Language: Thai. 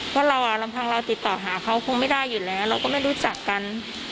เพราะเราลำพังเราติดต่อหาเขาคงไม่ได้อยู่แล้วเราก็ไม่รู้จักกัน